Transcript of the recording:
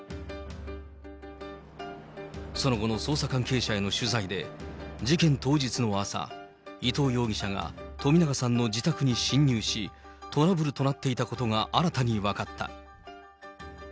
その後の捜査関係者への取材で、事件当日の朝、伊藤容疑者が冨永さんの自宅に侵入し、トラブルとなっていたことが新たに分かった。